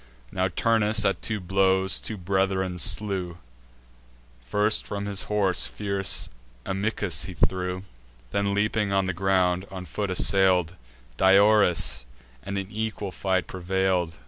Now Turnus, at two blows, two brethren slew; First from his horse fierce Amycus he threw: Then, leaping on the ground, on foot assail'd Diores, and in equal fight prevail'd.